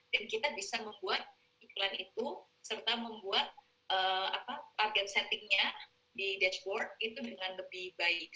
dan kita bisa membuat iklan itu serta membuat target settingnya di dashboard itu dengan lebih baik